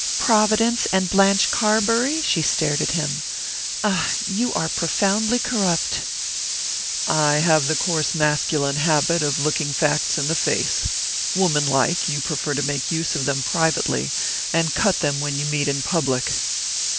"Providence and Blanche Carbury?" She stared at him. "Ah, you are profoundly corrupt!" "I have the coarse masculine habit of looking facts in the face. Woman like, you prefer to make use of them privately, and cut them when you meet in public."